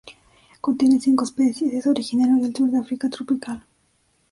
Contiene cinco especies.Es originario del sur de África tropical.